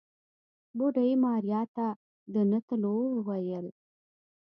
بوډۍ ماريا ته د نه تلو وويل.